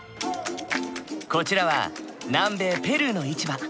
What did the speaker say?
こちらは南米ペルーの市場。